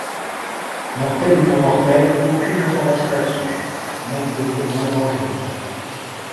Mortelle ou non mortel, aucune information là dessus, même pour dire non dangereuse.